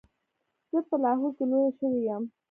زه په لاهور کې لویه شوې یم.